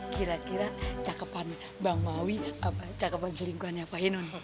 kira kira cakepan bang mawi cakepan selingkuhannya puan ainun